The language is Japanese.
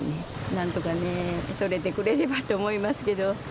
なんとかね、それてくれればと思いますけど。